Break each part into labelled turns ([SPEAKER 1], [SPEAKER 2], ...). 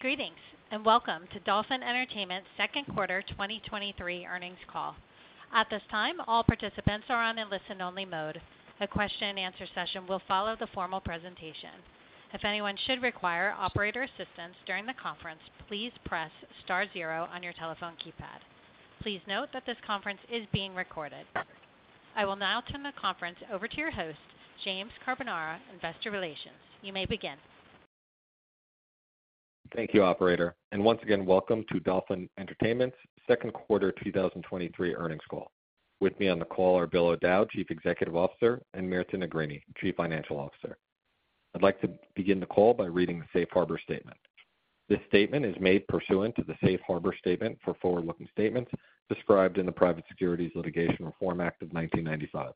[SPEAKER 1] Greetings, and welcome to Dolphin Entertainment's second quarter 2023 earnings call. At this time, all participants are in listen-only mode. A question-and-answer session will follow the formal presentation. If anyone should require operator assistance during the conference, please press star zero on your telephone keypad. Please note that this conference is being recorded. I will now turn the conference over to your host, James Carbonara, Investor Relations. You may begin.
[SPEAKER 2] Thank you, operator. Once again, welcome to Dolphin Entertainment's second quarter 2023 earnings call. With me on the call are Bill O'Dowd, Chief Executive Officer, and Mirta Negrini, Chief Financial Officer. I'd like to begin the call by reading the safe harbor statement. This statement is made pursuant to the safe harbor statement for forward-looking statements described in the Private Securities Litigation Reform Act of 1995.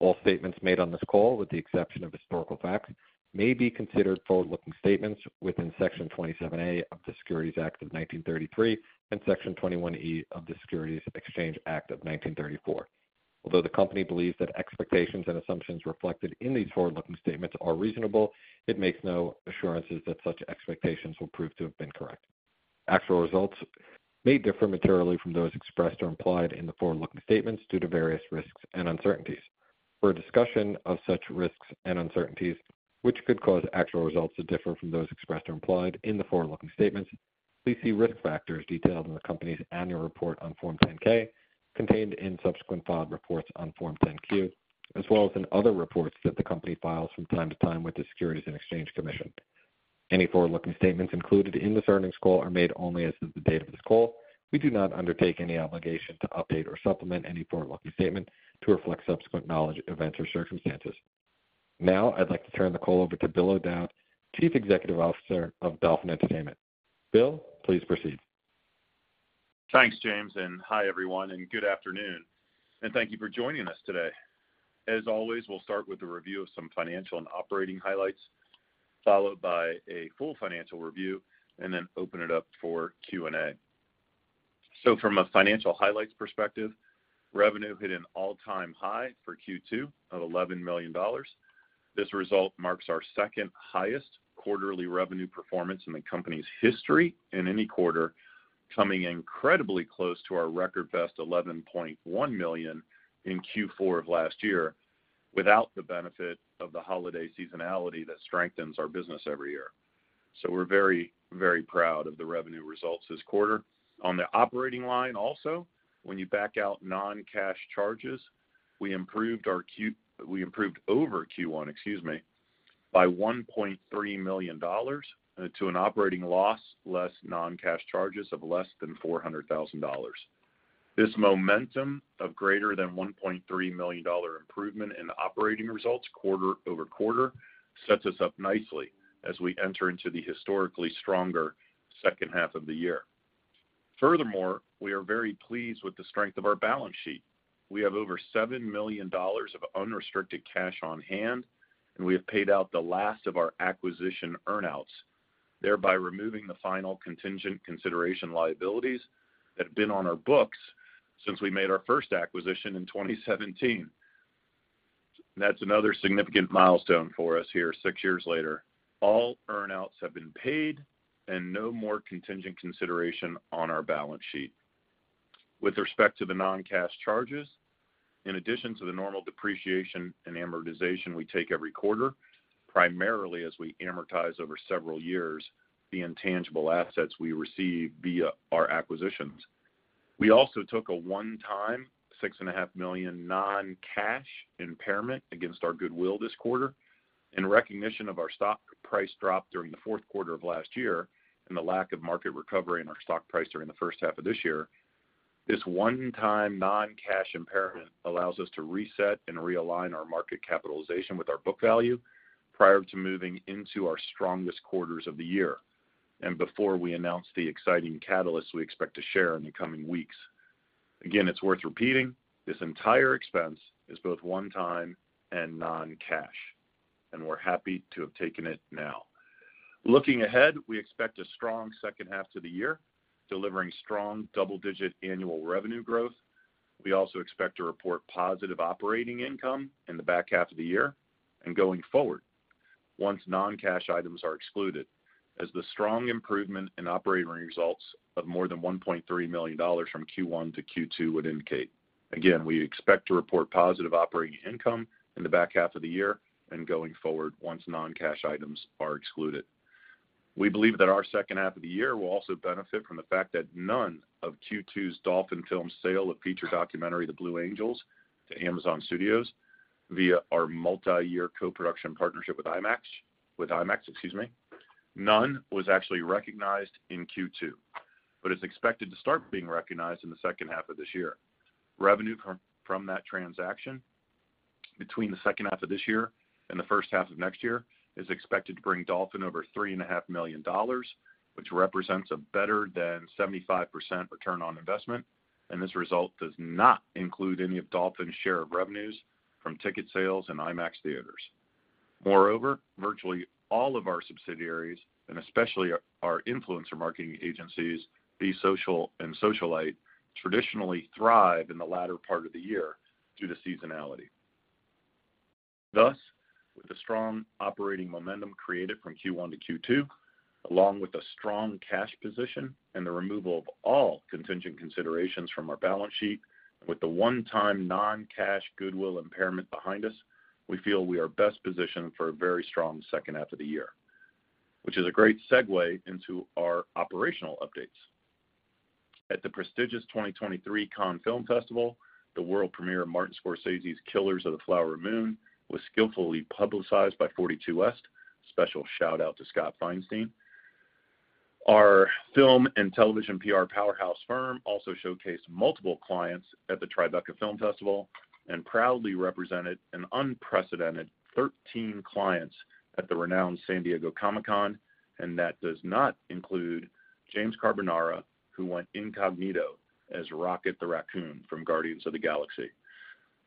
[SPEAKER 2] All statements made on this call, with the exception of historical facts, may be considered forward-looking statements within Section 27A of the Securities Act of 1933 and Section 21E of the Securities Exchange Act of 1934. Although the company believes that expectations and assumptions reflected in these forward-looking statements are reasonable, it makes no assurances that such expectations will prove to have been correct. Actual results may differ materially from those expressed or implied in the forward-looking statements due to various risks and uncertainties. For a discussion of such risks and uncertainties, which could cause actual results to differ from those expressed or implied in the forward-looking statements, please see risk factors detailed in the company's annual report on Form 10-K, contained in subsequent filed reports on Form 10-Q, as well as in other reports that the company files from time to time with the Securities and Exchange Commission. Any forward-looking statements included in this earnings call are made only as of the date of this call. We do not undertake any obligation to update or supplement any forward-looking statement to reflect subsequent knowledge, events or circumstances. Now, I'd like to turn the call over to Bill O'Dowd, Chief Executive Officer of Dolphin Entertainment. Bill, please proceed.
[SPEAKER 3] Thanks, James, hi everyone, and good afternoon, and thank you for joining us today. As always, we'll start with a review of some financial and operating highlights, followed by a full financial review and then open it up for Q&A. From a financial highlights perspective, revenue hit an all-time high for Q2 of $11 million. This result marks our second highest quarterly revenue performance in the company's history in any quarter, coming incredibly close to our record best $11.1 million in Q4 of last year, without the benefit of the holiday seasonality that strengthens our business every year. We're very, very proud of the revenue results this quarter. On the operating line also, when you back out non-cash charges, we improved our Q We improved over Q1, excuse me, by $1.3 million to an operating loss, less non-cash charges of less than $400,000. This momentum of greater than $1.3 million improvement in operating results quarter-over-quarter sets us up nicely as we enter into the historically stronger second half of the year. We are very pleased with the strength of our balance sheet. We have over $7 million of unrestricted cash on hand, and we have paid out the last of our acquisition earn-outs, thereby removing the final contingent consideration liabilities that have been on our books since we made our first acquisition in 2017. That's another significant milestone for us here six years later. All earn-outs have been paid and no more contingent consideration on our balance sheet. With respect to the non-cash charges, in addition to the normal depreciation and amortization we take every quarter, primarily as we amortize over several years the intangible assets we receive via our acquisitions. We also took a one-time $6.5 million non-cash impairment against our goodwill this quarter in recognition of our stock price drop during the fourth quarter of last year and the lack of market recovery in our stock price during the first half of this year. This one-time non-cash impairment allows us to reset and realign our market capitalization with our book value prior to moving into our strongest quarters of the year and before we announce the exciting catalysts we expect to share in the coming weeks. Again, it's worth repeating, this entire expense is both one time and non-cash, and we're happy to have taken it now. Looking ahead, we expect a strong second half to the year, delivering strong double-digit annual revenue growth. We also expect to report positive operating income in the back half of the year and going forward, once non-cash items are excluded, as the strong improvement in operating results of more than $1.3 million from Q1 to Q2 would indicate. Again, we expect to report positive operating income in the back half of the year and going forward, once non-cash items are excluded. We believe that our second half of the year will also benefit from the fact that none of Q2's Dolphin film sale of feature documentary, The Blue Angels, to Amazon Studios via our multi-year co-production partnership with IMAX. None was actually recognized in Q2, but is expected to start being recognized in the second half of this year. Revenue from that transaction between the second half of this year and the first half of next year, is expected to bring Dolphin over $3.5 million, which represents a better-than 75% ROI. This result does not include any of Dolphin's share of revenues from ticket sales in IMAX theaters. Moreover, virtually all of our subsidiaries, and especially our influencer marketing agencies, Be Social and Socialyte, traditionally thrive in the latter part of the year due to seasonality. With the strong operating momentum created from Q1 to Q2, along with a strong cash position and the removal of all contingent considerations from our balance sheet, with the one-time non-cash goodwill impairment behind us, we feel we are best positioned for a very strong second half of the year, which is a great segue into our operational updates. At the prestigious 2023 Cannes Film Festival, the world premiere of Martin Scorsese's Killers of the Flower Moon, was skillfully publicized by 42West. Special shout-out to Scott Feinstein. Our film and television PR powerhouse firm also showcased multiple clients at the Tribeca Film Festival and proudly represented an unprecedented 13 clients at the renowned San Diego Comic-Con, and that does not include James Carbonara, who went incognito as Rocket the Raccoon from Guardians of the Galaxy.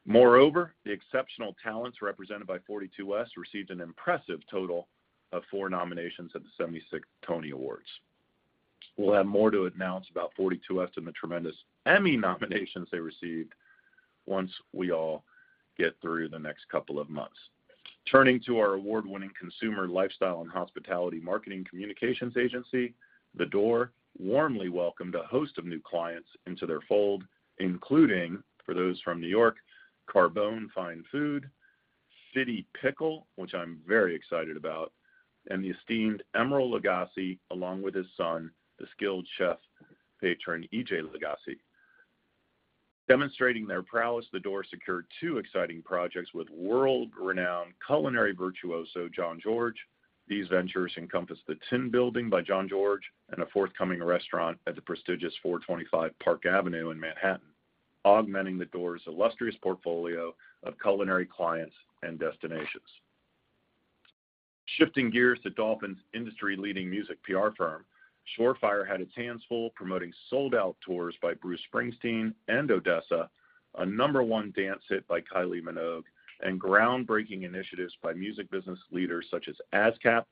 [SPEAKER 3] Moreover, the exceptional talents represented by 42West received an impressive total of four nominations at the 76th Tony Awards. We'll have more to announce about 42West and the tremendous Emmy nominations they received once we all get through the next couple of months. Turning to our award-winning consumer lifestyle and hospitality marketing communications agency, The Door warmly welcomed a host of new clients into their fold, including, for those from New York, Carbone Fine Food, CityPickle, which I'm very excited about, and the esteemed Emeril Lagasse, along with his son, the skilled chef patron, EJ Lagasse. Demonstrating their prowess, The Door secured two exciting projects with world-renowned culinary virtuoso, Jean-Georges Vongerichten. These ventures encompass the Tin Building by Jean-Georges Vongerichten and a forthcoming restaurant at the prestigious 425 Park Avenue in Manhattan, augmenting The Door's illustrious portfolio of culinary clients and destinations. Shifting gears to Dolphin's industry-leading music PR firm, Shore Fire, had its hands full, promoting sold-out tours by Bruce Springsteen and ODESZA, a number one dance hit by Kylie Minogue, and groundbreaking initiatives by music business leaders such as ASCAP,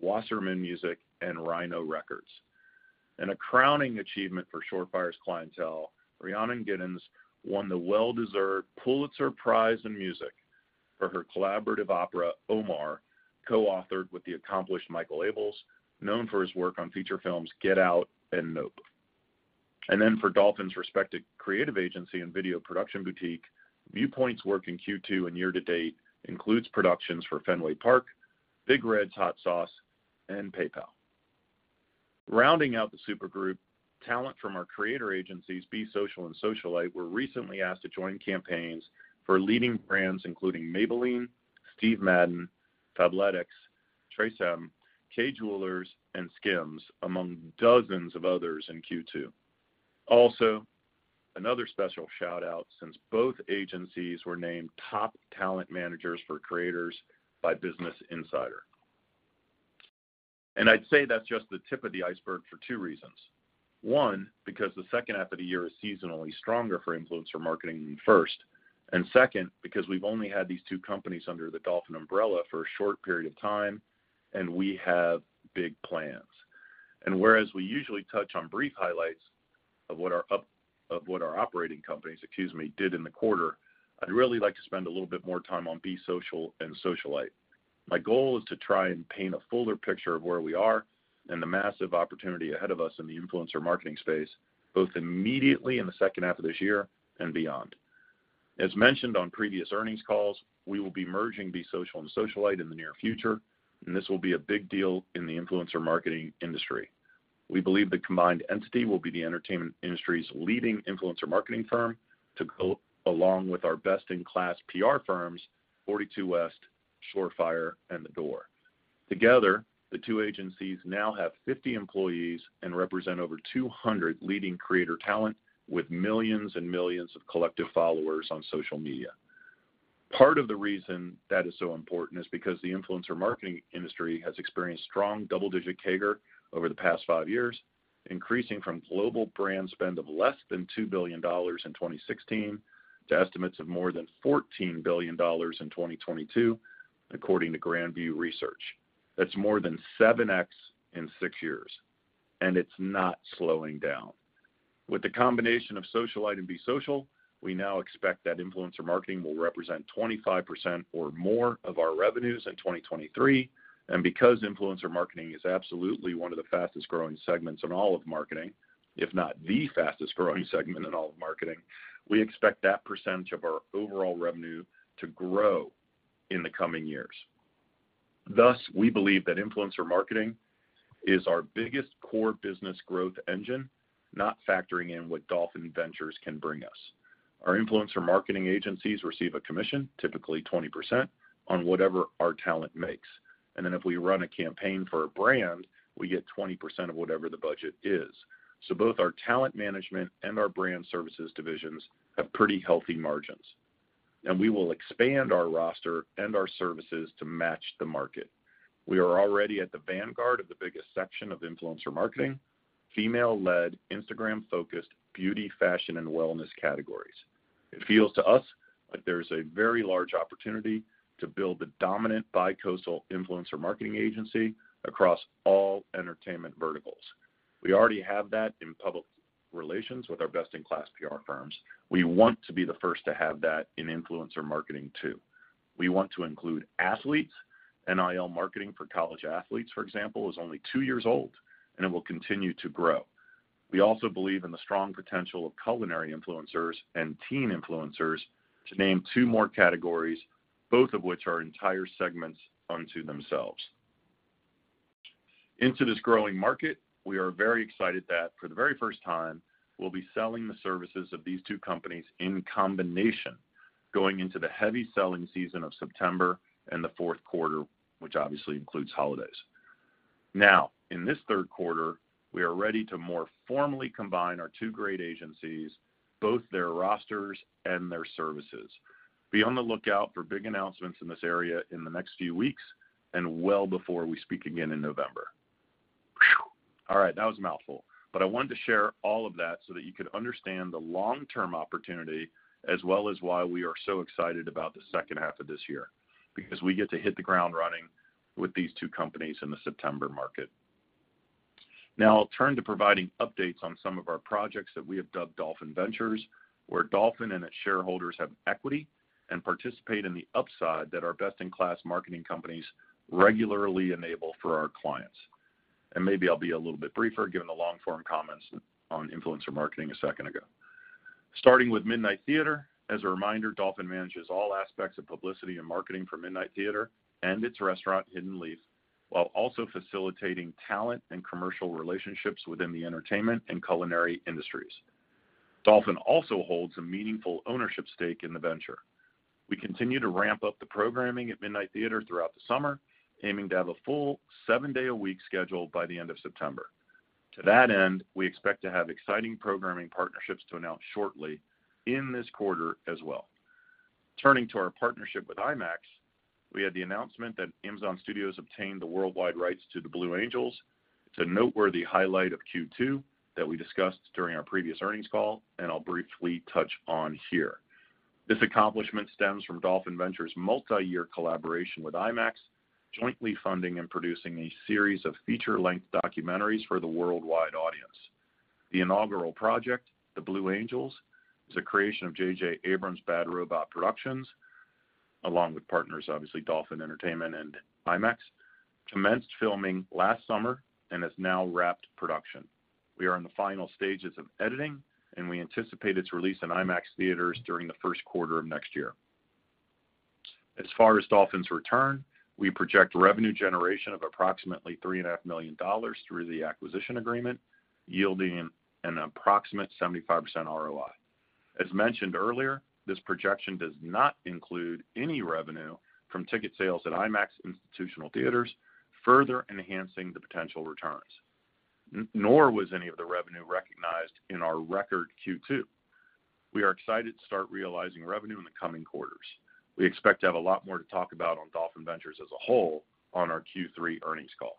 [SPEAKER 3] Wasserman Music, and Rhino Records. In a crowning achievement for Shore Fire Media's clientele, Rhiannon Giddens won the well-deserved Pulitzer Prize for Music for her collaborative opera, Omar, co-authored with the accomplished Michael Abels, known for his work on feature films Get Out and Nope. Then for Dolphin's respected creative agency and video production boutique, Viewpoint Creative's work in Q2 and year to date includes productions for Fenway Park, Big Red's Hot Sauce, and PayPal. Rounding out the super group, talent from our creator agencies, Be Social and Socialyte, were recently asked to join campaigns for leading brands including Maybelline, Steve Madden, Fabletics, Tracem, Kay Jewelers, and SKIMS, among dozens of others in Q2. Also, another special shout-out, since both agencies were named top talent managers for creators by Business Insider. I'd say that's just the tip of the iceberg for two reasons. One, because the second half of the year is seasonally stronger for influencer marketing than first. Second, because we've only had these two companies under the Dolphin umbrella for a short period of time, and we have big plans. Whereas we usually touch on brief highlights of what our operating companies, excuse me, did in the quarter, I'd really like to spend a little bit more time on Be Social and Socialyte. My goal is to try and paint a fuller picture of where we are and the massive opportunity ahead of us in the influencer marketing space, both immediately in the second half of this year and beyond. As mentioned on previous earnings calls, we will be merging Be Social and Socialyte in the near future, and this will be a big deal in the influencer marketing industry. We believe the combined entity will be the entertainment industry's leading influencer marketing firm, to go along with our best-in-class PR firms, 42West, Shore Fire, and The Door. Together, the two agencies now have 50 employees and represent over 200 leading creator talent with millions and millions of collective followers on social media. Part of the reason that is so important is because the influencer marketing industry has experienced strong double-digit CAGR over the past five years, increasing from global brand spend of less than $2 billion in 2016 to estimates of more than $14 billion in 2022, according to Grand View Research. That's more than 7x in six years, and it's not slowing down. With the combination of Socialyte and Be Social, we now expect that influencer marketing will represent 25% or more of our revenues in 2023. Because influencer marketing is absolutely one of the fastest-growing segments in all of marketing, if not the fastest-growing segment in all of marketing, we expect that percentage of our overall revenue to grow in the coming years. Thus, we believe that influencer marketing is our biggest core business growth engine, not factoring in what Dolphin Ventures can bring us. Our influencer marketing agencies receive a commission, typically 20%, on whatever our talent makes. Then if we run a campaign for a brand, we get 20% of whatever the budget is. Both our talent management and our brand services divisions have pretty healthy margins, and we will expand our roster and our services to match the market. We are already at the vanguard of the biggest section of influencer marketing, female-led, Instagram-focused beauty, fashion, and wellness categories. It feels to us that there is a very large opportunity to build the dominant bicoastal influencer marketing agency across all entertainment verticals. We already have that in public relations with our best-in-class PR firms. We want to be the first to have that in influencer marketing, too. We want to include athletes. NIL marketing for college athletes, for example, is only two years old, and it will continue to grow. We also believe in the strong potential of culinary influencers and teen influencers, to name 2 more categories, both of which are entire segments unto themselves. Into this growing market, we are very excited that for the very first time, we'll be selling the services of these two companies in combination, going into the heavy selling season of September and the fourth quarter, which obviously includes holidays. Now, in this third quarter, we are ready to more formally combine our two great agencies, both their rosters and their services. Be on the lookout for big announcements in this area in the next few weeks and well before we speak again in November. Phew! All right, that was a mouthful, but I wanted to share all of that so that you could understand the long-term opportunity, as well as why we are so excited about the second half of this year, because we get to hit the ground running with these two companies in the September market. Now I'll turn to providing updates on some of our projects that we have dubbed Dolphin Ventures, where Dolphin and its shareholders have equity and participate in the upside that our best-in-class marketing companies regularly enable for our clients. Maybe I'll be a little bit briefer, given the long-form comments on influencer marketing a second ago. Starting with Midnight Theatre, as a reminder, Dolphin manages all aspects of publicity and marketing for Midnight Theatre and its restaurant, Hidden Leaf, while also facilitating talent and commercial relationships within the entertainment and culinary industries. Dolphin also holds a meaningful ownership stake in the venture. We continue to ramp up the programming at Midnight Theatre throughout the summer, aiming to have a full seven-day-a-week schedule by the end of September. To that end, we expect to have exciting programming partnerships to announce shortly in this quarter as well. Turning to our partnership with IMAX, we had the announcement that Amazon Studios obtained the worldwide rights to The Blue Angels. It's a noteworthy highlight of Q2 that we discussed during our previous earnings call, and I'll briefly touch on here. This accomplishment stems from Dolphin Ventures' multi-year collaboration with IMAX, jointly funding and producing a series of feature-length documentaries for the worldwide audience. The inaugural project, The Blue Angels, is a creation of J.J. Abrams' Bad Robot Productions, along with partners, obviously, Dolphin Entertainment and IMAX, commenced filming last summer and has now wrapped production. We are in the final stages of editing, and we anticipate its release in IMAX theaters during the first quarter of next year. As far as Dolphin's return, we project revenue generation of approximately $3.5 million through the acquisition agreement, yielding an approximate 75% ROI. As mentioned earlier, this projection does not include any revenue from ticket sales at IMAX institutional theaters, further enhancing the potential returns, nor was any of the revenue recognized in our record Q2. We are excited to start realizing revenue in the coming quarters. We expect to have a lot more to talk about on Dolphin Ventures as a whole on our Q3 earnings call.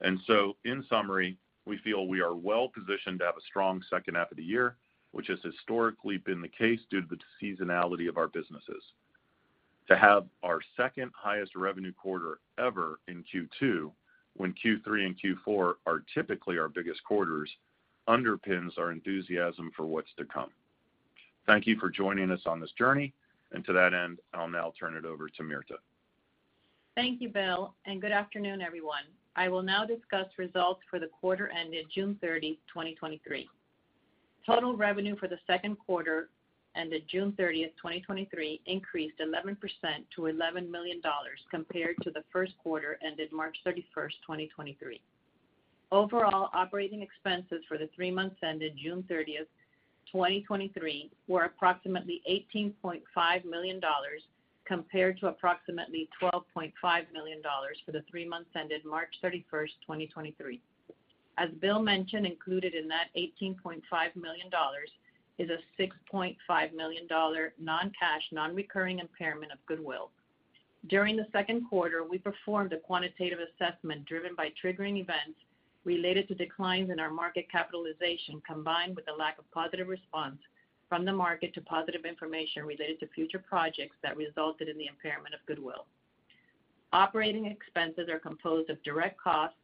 [SPEAKER 3] In summary, we feel we are well positioned to have a strong second half of the year, which has historically been the case due to the seasonality of our businesses. To have our second highest revenue quarter ever in Q2, when Q3 and Q4 are typically our biggest quarters, underpins our enthusiasm for what's to come. Thank you for joining us on this journey, and to that end, I'll now turn it over to Mirta.
[SPEAKER 4] Thank you, Bill, and good afternoon, everyone. I will now discuss results for the quarter ended June 30, 2023. Total revenue for the second quarter ended June 30th, 2023, increased 11% to $11 million compared to the first quarter ended March 31st, 2023. Overall, operating expenses for the three months ended June 30th, 2023, were approximately $18.5 million, compared to approximately $12.5 million for the three months ended March 31st, 2023. As Bill mentioned, included in that $18.5 million is a $6.5 million non-cash, non-recurring impairment of goodwill. During the second quarter, we performed a quantitative assessment driven by triggering events related to declines in our market capitalization, combined with a lack of positive response from the market to positive information related to future projects that resulted in the impairment of goodwill. Operating expenses are composed of direct costs,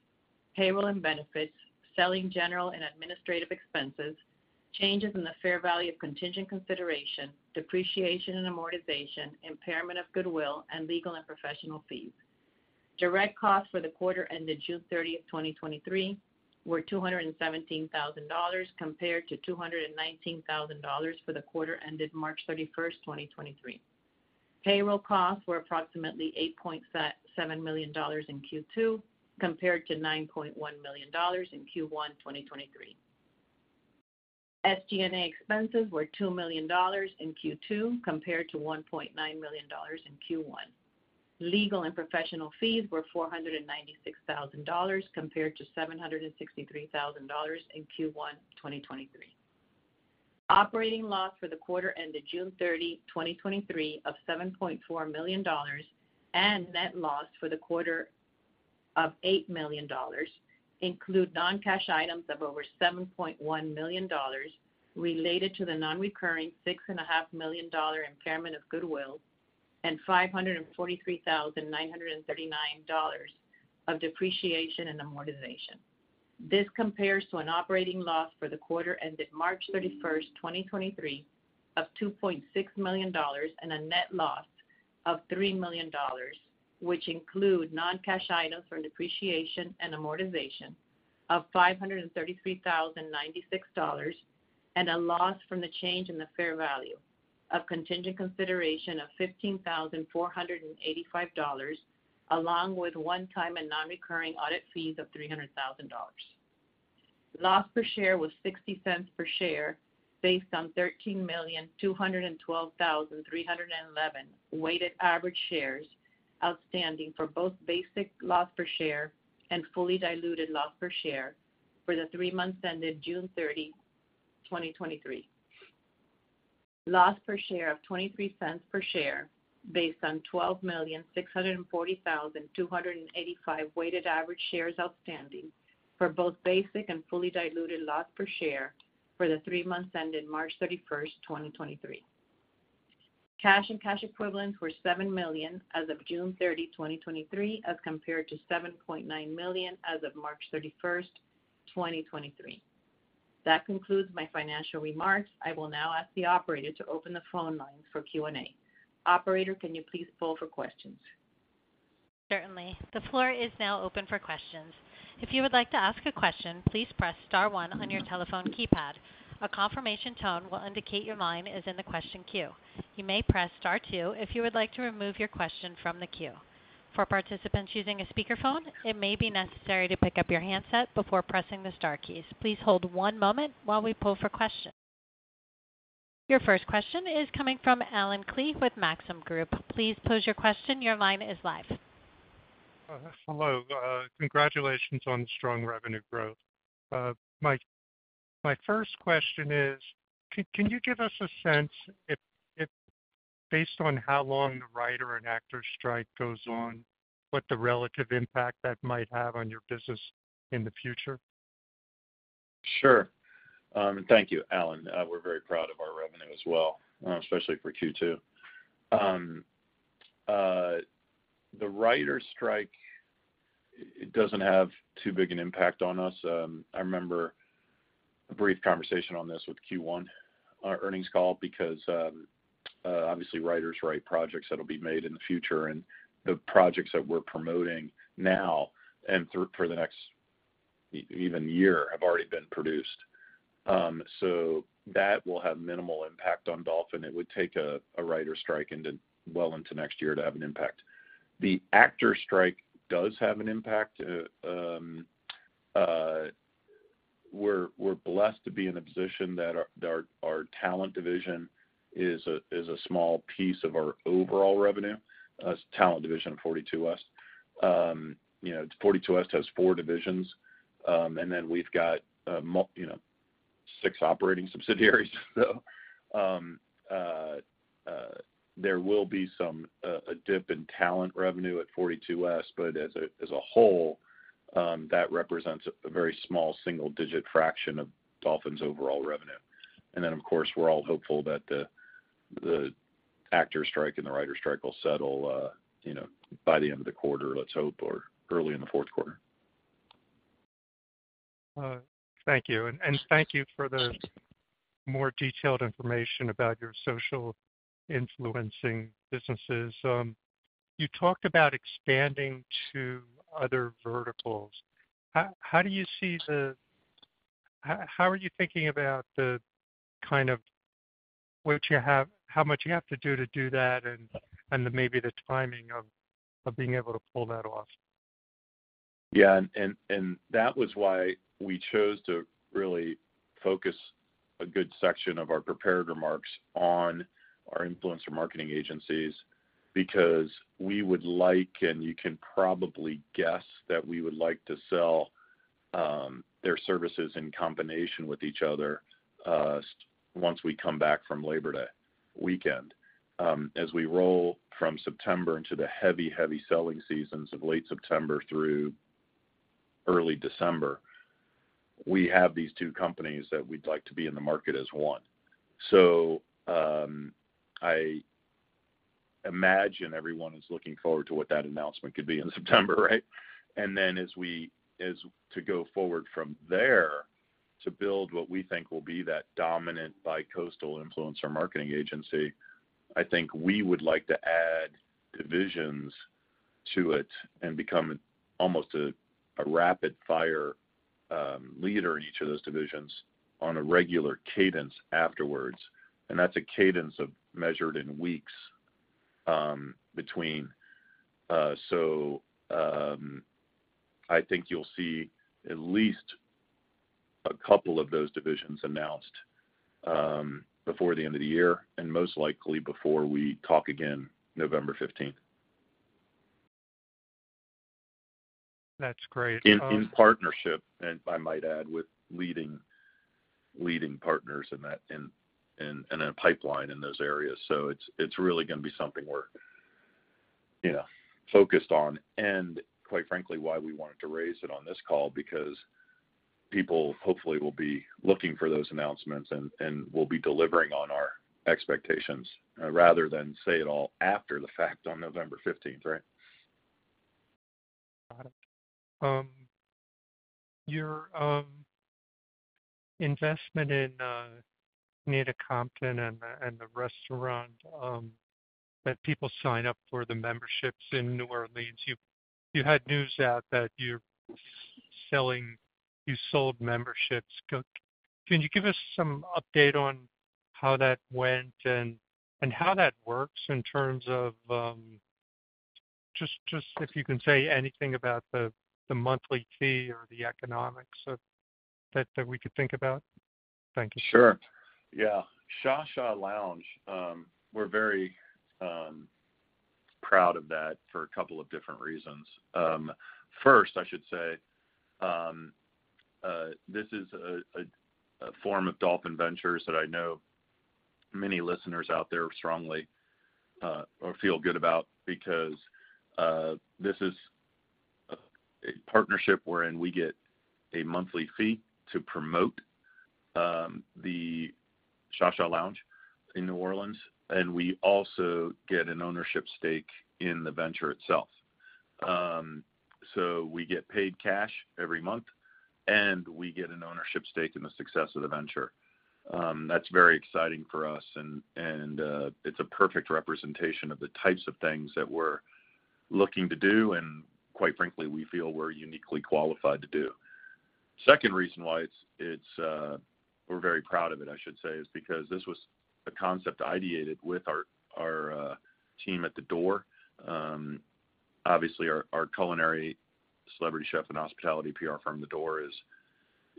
[SPEAKER 4] payroll and benefits, selling, general and administrative expenses, changes in the fair value of contingent consideration, depreciation and amortization, impairment of goodwill, and legal and professional fees. Direct costs for the quarter ended June 30th, 2023, were $217,000, compared to $219,000 for the quarter ended March 31st, 2023. Payroll costs were approximately $8.7 million in Q2, compared to $9.1 million in Q1, 2023. SG&A expenses were $2 million in Q2, compared to $1.9 million in Q1. Legal and professional fees were $496,000, compared to $763,000 in Q1 2023. Operating loss for the quarter ended June 30, 2023, of $7.4 million, and net loss for the quarter of $8 million include non-cash items of over $7.1 million related to the non-recurring $6.5 million impairment of goodwill, and $543,939 of depreciation and amortization. This compares to an operating loss for the quarter ended March 31st, 2023, of $2.6 million and a net loss of $3 million, which include non-cash items for depreciation and amortization of $533,096, and a loss from the change in the fair value of contingent consideration of $15,485, along with one-time and non-recurring audit fees of $300,000. Loss per share was $0.60 per share, based on 13,212,311 weighted average shares outstanding for both basic loss per share and fully diluted loss per share for the three months ended June 30, 2023. Loss per share of $0.23 per share, based on 12,640,285 weighted average shares outstanding for both basic and fully diluted loss per share for the three months ended March 31st, 2023. Cash and cash equivalents were $7 million as of June 30, 2023, as compared to $7.9 million as of March 31st, 2023. That concludes my financial remarks. I will now ask the operator to open the phone lines for Q&A. Operator, can you please poll for questions?
[SPEAKER 1] Certainly. The floor is now open for questions. If you would like to ask a question, please press star one on your telephone keypad. A confirmation tone will indicate your line is in the question queue. You may press star two if you would like to remove your question from the queue. For participants using a speakerphone, it may be necessary to pick up your handset before pressing the star keys. Please hold one moment while we poll for questions. Your first question is coming from Allen Klee with Maxim Group. Please pose your question. Your line is live.
[SPEAKER 5] Hello, congratulations on the strong revenue growth. My, my first question is, can, can you give us a sense if, if based on how long the writer and actor strike goes on, what the relative impact that might have on your business in the future?
[SPEAKER 3] Sure. Thank you, Allen. We're very proud of our revenue as well, especially for Q2. The writer strike, it doesn't have too big an impact on us. I remember a brief conversation on this with Q1, our earnings call, because obviously writers write projects that will be made in the future, and the projects that we're promoting now and for the next even year have already been produced. So that will have minimal impact on Dolphin. It would take a writer strike into, well into next year to have an impact. The actor strike does have an impact. We're blessed to be in a position that our talent division is a small piece of our overall revenue, talent division of 42West. You know, 42West has 4 divisions, we've got, you know, 6 operating subsidiaries. There will be some, a dip in talent revenue at 42West, but as a, as a whole, that represents a very small single digit fraction of Dolphin's overall revenue. Of course, we're all hopeful that the, the actor strike and the writer strike will settle, you know, by the end of the quarter, let's hope, or early in the fourth quarter.
[SPEAKER 5] Thank you. Thank you for the more detailed information about your social influencing businesses. You talked about expanding to other verticals. How, how do you see How, how are you thinking about the kind of, how much you have to do to do that and, and then maybe the timing of, of being able to pull that off?
[SPEAKER 3] Yeah, that was why we chose to really focus a good section of our prepared remarks on our influencer marketing agencies, because we would like, and you can probably guess, that we would like to sell their services in combination with each other once we come back from Labor Day weekend. As we roll from September into the heavy, heavy selling seasons of late September through early December, we have these two companies that we'd like to be in the market as one. I imagine everyone is looking forward to what that announcement could be in September, right? As to go forward from there, to build what we think will be that dominant bicoastal influencer marketing agency, I think we would like to add divisions to it and become almost a, a rapid fire leader in each of those divisions on a regular cadence afterwards. That's a cadence of measured in weeks between, so, I think you'll see at least a couple of those divisions announced before the end of the year, and most likely before we talk again November 15th.
[SPEAKER 5] That's great.
[SPEAKER 3] In partnership, and I might add, with leading, leading partners in that, in a pipeline in those areas. It's really going to be something, you know, focused on, and quite frankly, why we wanted to raise it on this call, because people hopefully will be looking for those announcements, and we'll be delivering on our expectations, rather than say it all after the fact on November 15th, right?
[SPEAKER 5] Got it. Your investment in Nina Compton and the, and the restaurant, that people sign up for the memberships in New Orleans, you, you had news out that you're selling-- you sold memberships. Can you give us some update on how that went and, and how that works in terms of, just, just if you can say anything about the, the monthly fee or the economics of that, that we could think about? Thank you.
[SPEAKER 3] Sure. Yeah. ShaSha Lounge, we're very proud of that for a couple of different reasons. First, I should say, this is a form of Dolphin Ventures that I know many listeners out there strongly or feel good about because this is a partnership wherein we get a monthly fee to promote the ShaSha Lounge in New Orleans, and we also get an ownership stake in the venture itself. We get paid cash every month, and we get an ownership stake in the success of the venture. That's very exciting for us, and it's a perfect representation of the types of things that we're looking to do, and quite frankly, we feel we're uniquely qualified to do. Second reason why it's, it's, we're very proud of it, I should say, is because this was a concept ideated with our, our, team at The Door. Obviously, our, our culinary celebrity chef and hospitality PR firm, The Door, is,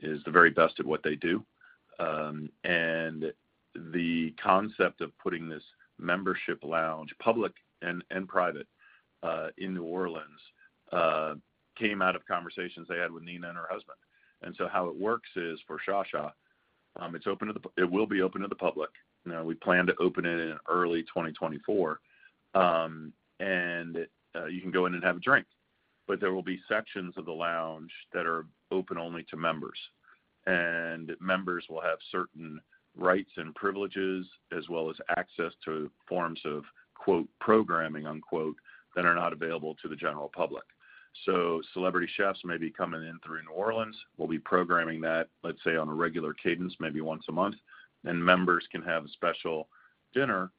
[SPEAKER 3] is the very best at what they do. The concept of putting this membership lounge, public and, and private, in New Orleans, came out of conversations I had with Nina and her husband. How it works is, for ShaSha, it will be open to the public. We plan to open it in early 2024, and you can go in and have a drink, but there will be sections of the lounge that are open only to members. Members will have certain rights and privileges, as well as access to forms of, quote, programming, unquote, that are not available to the general public. Celebrity chefs may be coming in through New Orleans. We'll be programming that, let's say, on a regular cadence, maybe once a month, and members can have a special dinner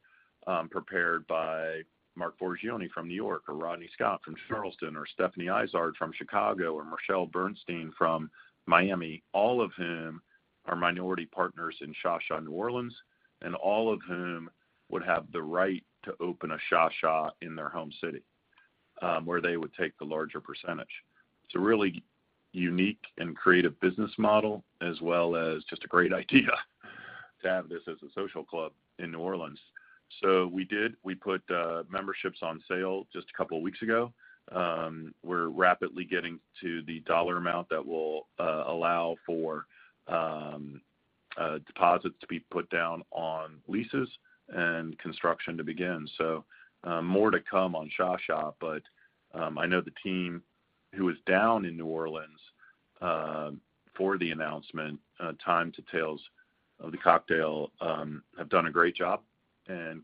[SPEAKER 3] prepared by Marc Forgione from New York, or Rodney Scott from Charleston, or Stephanie Izard from Chicago, or Michelle Bernstein from Miami, all of whom are minority partners in ShaSha, New Orleans, and all of whom would have the right to open a ShaSha in their home city, where they would take the larger percentage. It's a really unique and creative business model, as well as just a great idea to have this as a social club in New Orleans. We did. We put memberships on sale just a couple of weeks ago. We're rapidly getting to the dollar amount that will allow for a deposit to be put down on leases and construction to begin. More to come on ShaSha, but I know the team who was down in New Orleans for the announcement, Time to Tales of the Cocktail, have done a great job.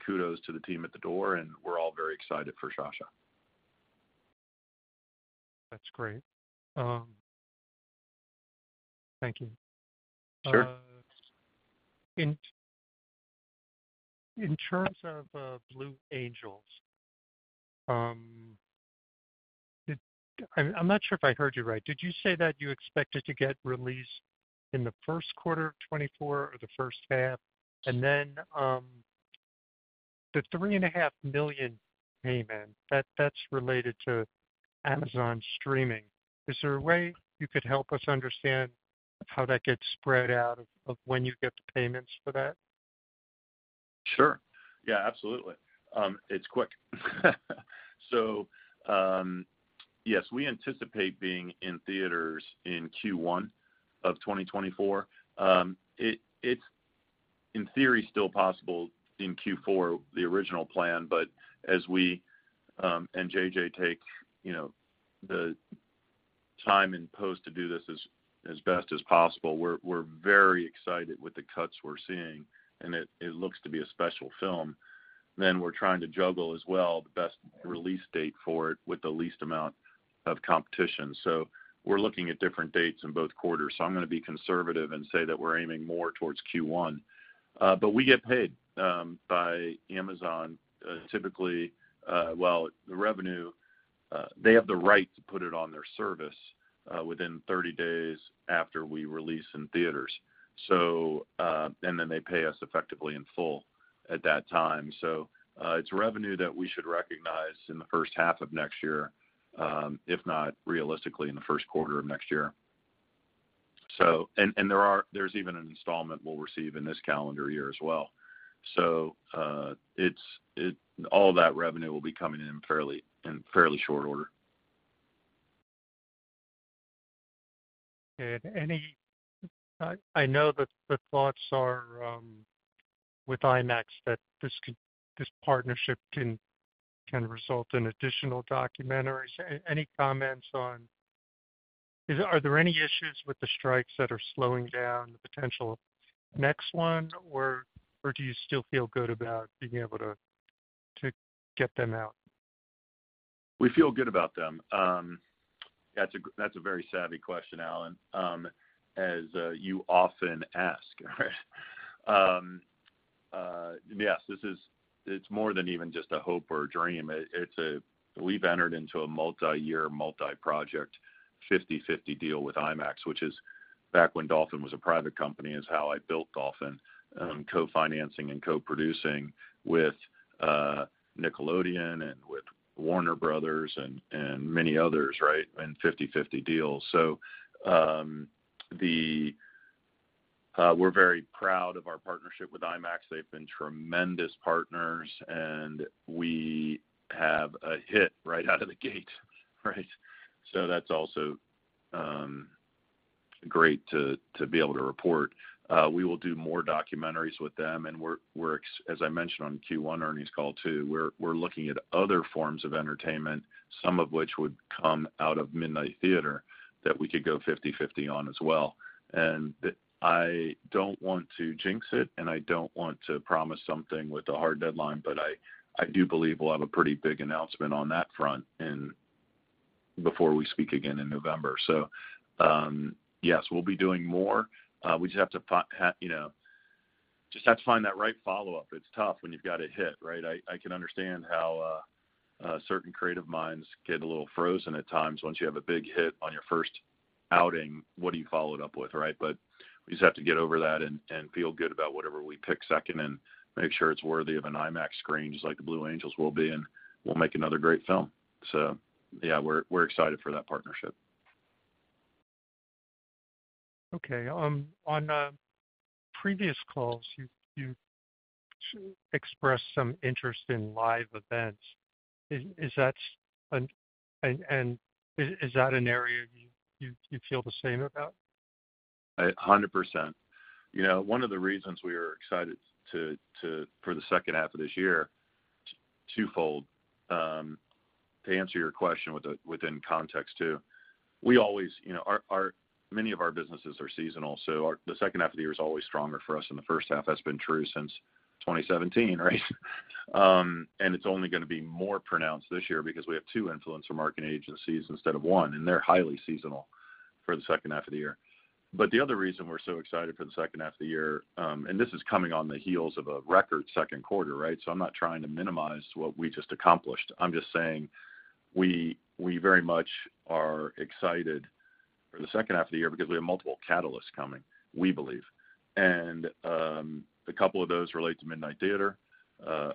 [SPEAKER 3] Kudos to the team at The Door, and we're all very excited for ShaSha.
[SPEAKER 5] That's great. Thank you.
[SPEAKER 3] Sure.
[SPEAKER 5] In, in terms of The Blue Angels, did... I, I'm not sure if I heard you right. Did you say that you expected to get released in the first quarter of 2024 or the first half? Then, the $3.5 million payment, that, that's related to Amazon streaming. Is there a way you could help us understand how that gets spread out of, of when you get the payments for that?
[SPEAKER 3] Sure. Yeah, absolutely. It's quick. Yes, we anticipate being in theaters in Q1 of 2024. It, it's, in theory, still possible in Q4, the original plan, but as we and JJ take, you know, the time in post to do this as, as best as possible, we're, we're very excited with the cuts we're seeing, and it, it looks to be a special film. We're trying to juggle as well, the best release date for it with the least amount of competition. We're looking at different dates in both quarters. I'm gonna be conservative and say that we're aiming more towards Q1. We get paid by Amazon, typically, well, the revenue, they have the right to put it on their service within 30 days after we release in theaters. They pay us effectively in full at that time. It's revenue that we should recognize in the first half of next year, if not realistically, in the first quarter of next year. There's even an installment we'll receive in this calendar year as well. It's all that revenue will be coming in fairly, in fairly short order....
[SPEAKER 5] any, I know that the thoughts are with IMAX, that this partnership can result in additional documentaries. Any comments on, are there any issues with the strikes that are slowing down the potential next one, or do you still feel good about being able to get them out?
[SPEAKER 3] We feel good about them. That's a very savvy question, Allen, as you often ask, right? Yes, it's more than even just a hope or a dream. We've entered into a multiyear, multiproject, 50/50 deal with IMAX, which is back when Dolphin was a private company, is how I built Dolphin, co-financing and co-producing with Nickelodeon and with Warner Brothers and many others, right, in 50/50 deals. We're very proud of our partnership with IMAX. They've been tremendous partners, and we have a hit right out of the gate, right? That's also great to be able to report. We will do more documentaries with them, we're, we're as I mentioned on Q1 earnings call, too, we're looking at other forms of entertainment, some of which would come out of Midnight Theatre, that we could go 50/50 on as well. I don't want to jinx it, and I don't want to promise something with a hard deadline, but I do believe we'll have a pretty big announcement on that front in, before we speak again in November. Yes, we'll be doing more. We just have to you know, just have to find that right follow-up. It's tough when you've got a hit, right? I can understand how certain creative minds get a little frozen at times. Once you have a big hit on your first outing, what do you follow it up with, right? We just have to get over that and, and feel good about whatever we pick second and make sure it's worthy of an IMAX screen, just like The Blue Angels will be, and we'll make another great film. Yeah, we're, we're excited for that partnership.
[SPEAKER 5] Okay. On previous calls, you expressed some interest in live events. Is that an area you feel the same about?
[SPEAKER 3] 100%. You know, one of the reasons we are excited for the second half of this year, twofold. To answer your question with a, within context, too, we always, you know, many of our businesses are seasonal, so the second half of the year is always stronger for us than the first half. That's been true since 2017, right? It's only gonna be more pronounced this year because we have two influencer marketing agencies instead of one, and they're highly seasonal for the second half of the year. The other reason we're so excited for the second half of the year, this is coming on the heels of a record second quarter, right? I'm not trying to minimize what we just accomplished. I'm just saying we, we very much are excited for the second half of the year because we have multiple catalysts coming, we believe. A couple of those relate to Midnight Theatre. A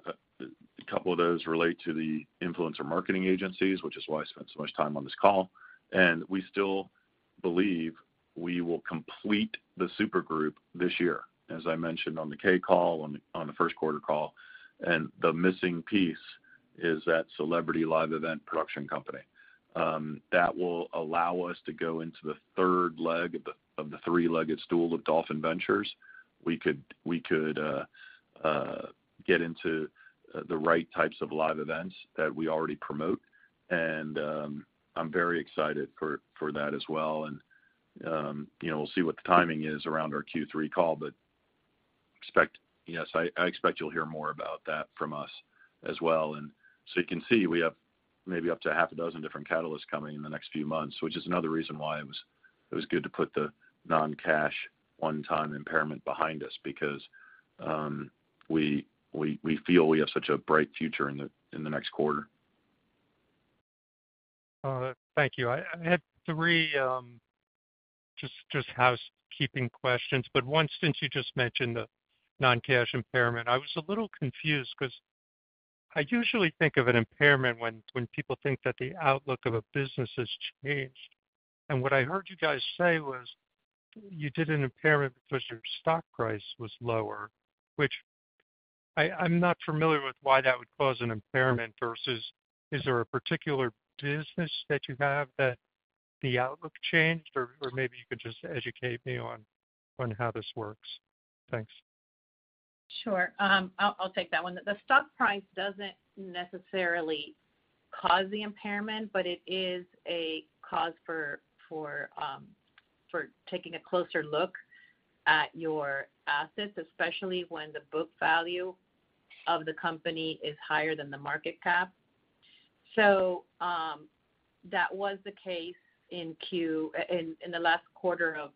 [SPEAKER 3] couple of those relate to the influencer marketing agencies, which is why I spent so much time on this call, and we still believe we will complete the super group this year, as I mentioned on the K call, on the first quarter call. The missing piece is that celebrity live event production company. That will allow us to go into the third leg of the three-legged stool of Dolphin Ventures. We could, we could get into the right types of live events that we already promote, and I'm very excited for that as well. You know, we'll see what the timing is around our Q3 call, but expect... Yes, I, I expect you'll hear more about that from us as well. You can see, we have maybe up to half a dozen different catalysts coming in the next few months, which is another reason why it was, it was good to put the non-cash, one-time impairment behind us because we, we, we feel we have such a bright future in the, in the next quarter.
[SPEAKER 5] Thank you. I, I had three, just, just housekeeping questions, but one, since you just mentioned the non-cash impairment, I was a little confused 'cause I usually think of an impairment when, when people think that the outlook of a business has changed. What I heard you guys say was, you did an impairment because your stock price was lower, which I, I'm not familiar with why that would cause an impairment versus, is there a particular business that you have that the outlook changed? Maybe you could just educate me on, on how this works. Thanks.
[SPEAKER 4] Sure. I'll, I'll take that one. The stock price doesn't necessarily cause the impairment, but it is a cause for, for taking a closer look at your assets, especially when the book value of the company is higher than the market cap. That was the case in the last quarter of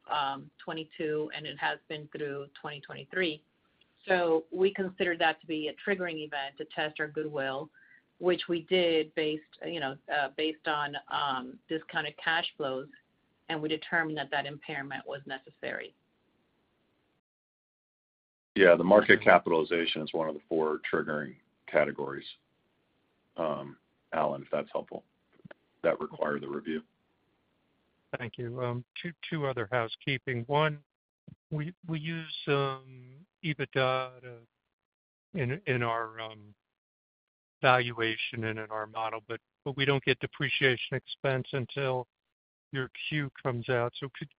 [SPEAKER 4] 2022, and it has been through 2023. We consider that to be a triggering event to test our goodwill, which we did based, you know, based on discounted cash flows, and we determined that that impairment was necessary.
[SPEAKER 3] Yeah, the market capitalization is 1 of the 4 triggering categories, Alan, if that's helpful, that require the review.
[SPEAKER 5] Thank you. Two other housekeeping. One, we use EBITDA in our valuation in our model, but we don't get depreciation expense until your Q comes out.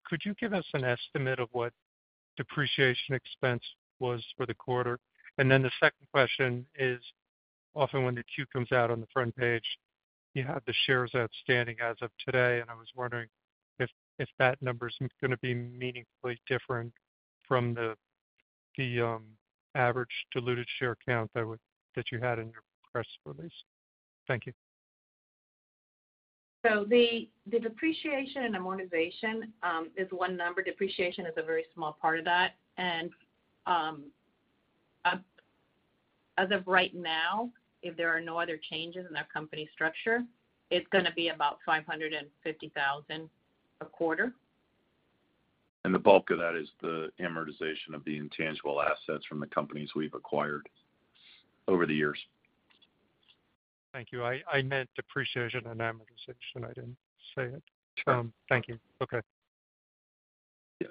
[SPEAKER 5] Could you give us an estimate of what depreciation expense was for the quarter? The second question is, often when the Q comes out on the front page, you have the shares outstanding as of today, and I was wondering if that number is gonna be meaningfully different from the average diluted share count that you had in your press release. Thank you.
[SPEAKER 4] The, the depreciation and amortization is one number. Depreciation is a very small part of that, as of right now, if there are no other changes in our company structure, it's gonna be about $550,000 a quarter.
[SPEAKER 3] The bulk of that is the amortization of the intangible assets from the companies we've acquired over the years.
[SPEAKER 5] Thank you. I, I meant depreciation and amortization. I didn't say it.
[SPEAKER 3] Sure.
[SPEAKER 5] Thank you. Okay.
[SPEAKER 3] Yeah.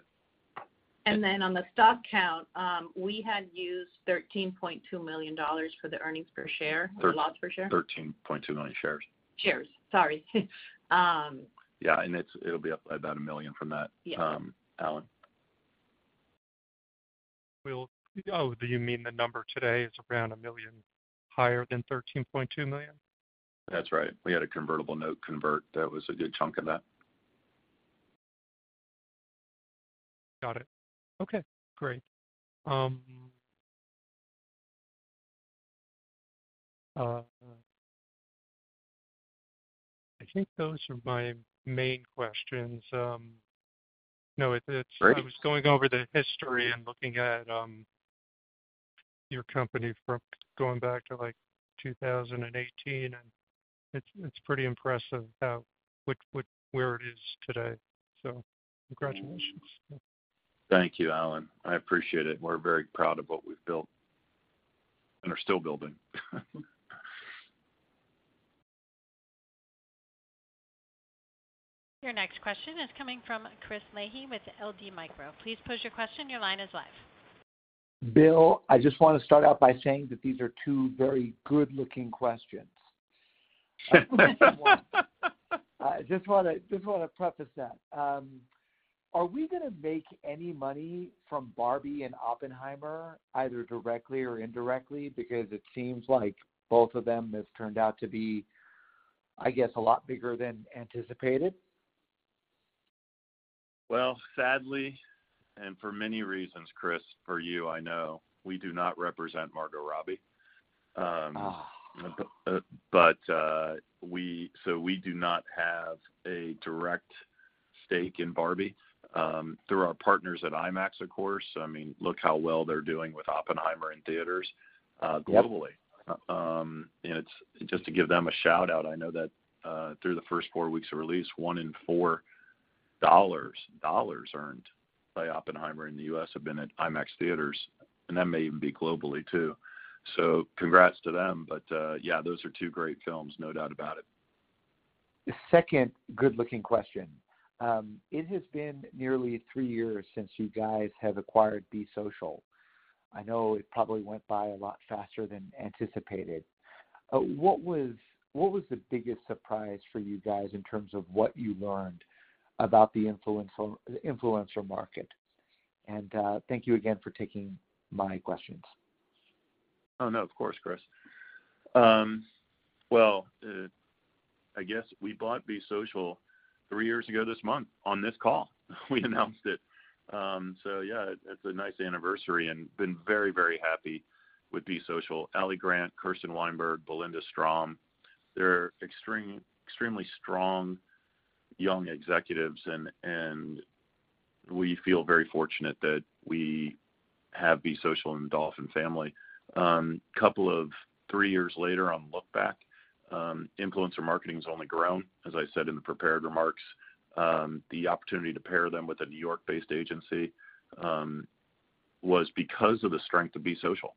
[SPEAKER 4] On the stock count, we had used $13.2 million for the earnings per share, or loss per share?
[SPEAKER 3] 13.2 million shares.
[SPEAKER 4] Shares. Sorry.
[SPEAKER 3] Yeah, and it's- it'll be up about $1 million from that-
[SPEAKER 4] Yeah.
[SPEAKER 3] Allen.
[SPEAKER 5] We'll... Oh, do you mean the number today is around $1 million higher than $13.2 million?
[SPEAKER 3] That's right. We had a convertible note convert. That was a good chunk of that.
[SPEAKER 5] Got it. Okay, great. I think those are my main questions. No, it's-
[SPEAKER 3] Great.
[SPEAKER 5] I was going over the history and looking at, your company from going back to, like, 2018, and it's, it's pretty impressive how, which, which... where it is today. Congratulations.
[SPEAKER 3] Thank you, Alan. I appreciate it. We're very proud of what we've built and are still building.
[SPEAKER 1] Your next question is coming from Chris Lahiji with LD Micro. Please pose your question. Your line is live.
[SPEAKER 6] Bill, I just want to start out by saying that these are two very good-looking questions. just wanna, just wanna preface that. Are we gonna make any money from Barbie and Oppenheimer, either directly or indirectly? It seems like both of them have turned out to be, I guess, a lot bigger than anticipated.
[SPEAKER 3] Well, sadly, and for many reasons, Chris, for you, I know, we do not represent Margot Robbie.
[SPEAKER 6] Oh.
[SPEAKER 3] We do not have a direct stake in Barbie, through our partners at IMAX, of course. I mean, look how well they're doing with Oppenheimer in theaters, globally.
[SPEAKER 6] Yep.
[SPEAKER 3] It's, just to give them a shout-out, I know that, through the first 4 weeks of release, $1 in 4 dollars earned by Oppenheimer in the U.S. have been at IMAX theaters, and that may even be globally, too. Congrats to them, but, yeah, those are 2 great films, no doubt about it.
[SPEAKER 6] The second good-looking question: It has been nearly three years since you guys have acquired Be Social. I know it probably went by a lot faster than anticipated. What was the biggest surprise for you guys in terms of what you learned about the influencer market? Thank you again for taking my questions.
[SPEAKER 3] No, of course, Chris. Well, I guess we bought Be Social three years ago this month. On this call, we announced it. Yeah, it's a nice anniversary and been very, very happy with Be Social. Ally Grant, Kirsten Weinberg, Belinda Strom, they're extremely strong young executives and, and we feel very fortunate that we have Be Social and Dolphin family. Couple of three years later on look back, influencer marketing has only grown, as I said in the prepared remarks. The opportunity to pair them with a New York-based agency was because of the strength of Be Social.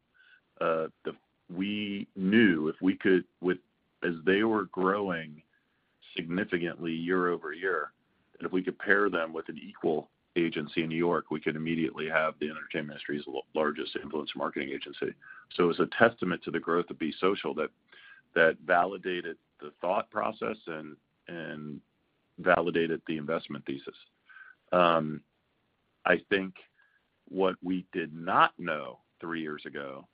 [SPEAKER 3] We knew if we could, as they were growing significantly year-over-year, and if we could pair them with an equal agency in New York, we could immediately have the entertainment industry's largest influencer marketing agency. It was a testament to the growth of Be Social that validated the thought process and validated the investment thesis. I think what we did not know three years ago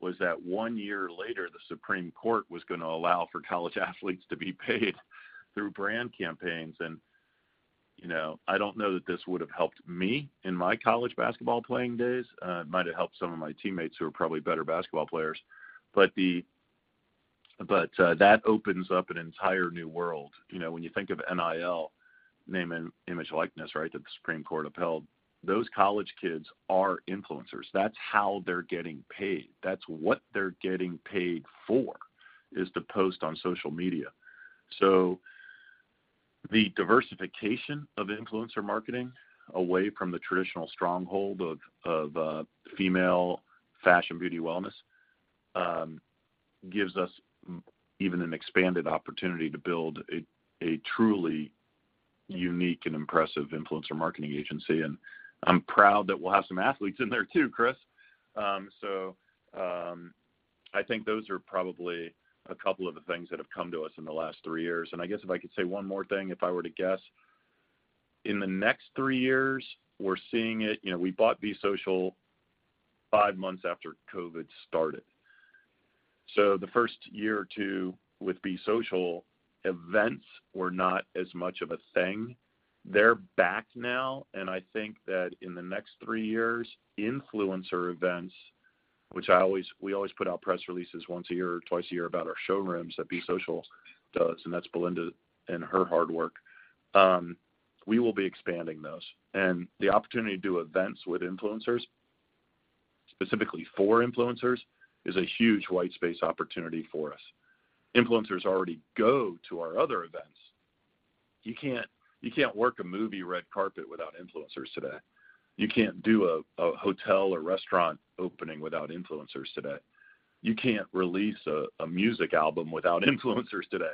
[SPEAKER 3] was that one year later, the Supreme Court was going to allow for college athletes to be paid through brand campaigns. You know, I don't know that this would have helped me in my college basketball playing days. It might have helped some of my teammates who are probably better basketball players. That opens up an entire new world. You know, when you think of NIL, name, image and likeness, right, that the Supreme Court upheld, those college kids are influencers. That's how they're getting paid. That's what they're getting paid for, is to post on social media. The diversification of influencer marketing away from the traditional stronghold of female fashion, beauty, wellness, gives us even an expanded opportunity to build a unique and impressive influencer marketing agency, and I'm proud that we'll have some athletes in there, too, Chris. I think those are probably a couple of the things that have come to us in the last three years. I guess if I could say one more thing, if I were to guess, in the next three years, we're seeing it, you know, we bought Be Social five months after COVID started. The first year or two with Be Social, events were not as much of a thing. They're back now, and I think that in the next three years, influencer events, which I always-- we always put out press releases once a year or twice a year about our showrooms that Be Social does, and that's Belinda and her hard work. We will be expanding those. The opportunity to do events with influencers, specifically for influencers, is a huge white space opportunity for us. Influencers already go to our other events. You can't, you can't work a movie red carpet without influencers today. You can't do a hotel or restaurant opening without influencers today. You can't release a music album without influencers today.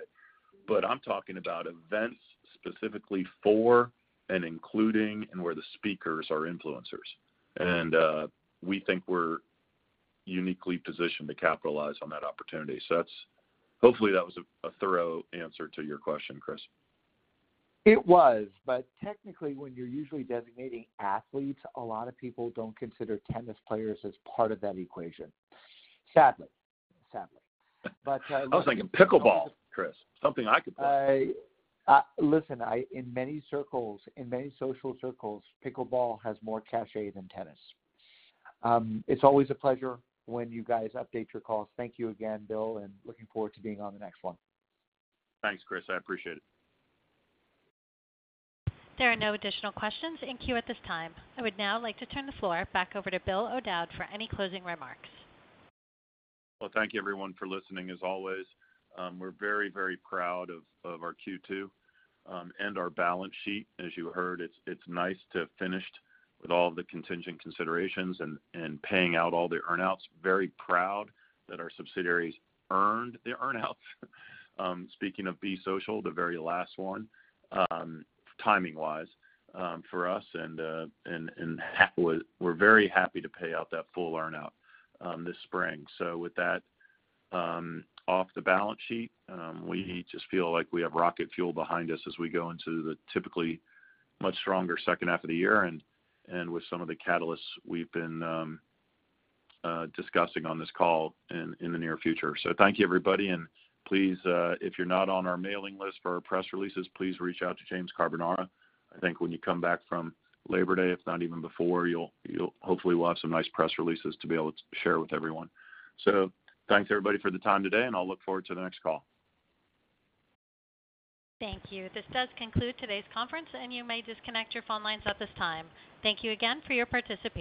[SPEAKER 3] I'm talking about events specifically for and including and where the speakers are influencers. We think we're uniquely positioned to capitalize on that opportunity. That's-- hopefully, that was a thorough answer to your question, Chris.
[SPEAKER 6] It was, but technically, when you're usually designating athletes, a lot of people don't consider tennis players as part of that equation, sadly, sadly.
[SPEAKER 3] I was thinking pickleball, Chris, something I could play.
[SPEAKER 6] Listen, in many circles, in many social circles, pickleball has more cachet than tennis. It's always a pleasure when you guys update your calls. Thank you again, Bill. Looking forward to being on the next one.
[SPEAKER 3] Thanks, Chris. I appreciate it.
[SPEAKER 1] There are no additional questions in queue at this time. I would now like to turn the floor back over to Bill O'Dowd for any closing remarks.
[SPEAKER 3] Well, thank you, everyone, for listening, as always. We're very, very proud of, of our Q2 and our balance sheet. As you heard, it's, it's nice to have finished with all the contingent considerations and, and paying out all the earn-outs. Very proud that our subsidiaries earned their earn-out. Speaking of Be Social, the very last one, timing-wise, for us, and we're very happy to pay out that full earn-out this spring. With that, off the balance sheet, we just feel like we have rocket fuel behind us as we go into the typically much stronger second half of the year, and with some of the catalysts we've been discussing on this call in the near future. Thank you, everybody. Please, if you're not on our mailing list for our press releases, please reach out to James Carbonara. I think when you come back from Labor Day, if not even before, you'll, you'll hopefully we'll have some nice press releases to be able to share with everyone. Thanks, everybody, for the time today, and I'll look forward to the next call.
[SPEAKER 1] Thank you. This does conclude today's conference. You may disconnect your phone lines at this time. Thank you again for your participation.